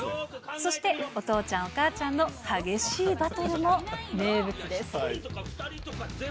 そして、お父ちゃん、お母ちゃんの激しいバトルも名物です。